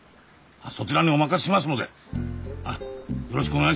そちらにお任せしますのでよろしくお願いします。